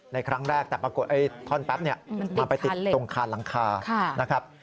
ในครั้งแรกแต่ปรากฏท่อนแป๊บมาไปติดตรงคาดหลังคา